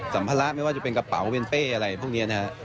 สัมภาระไม่ว่าจะเป็นกระเป๋าเวนเป้อะไรพวกนี้นะฮะ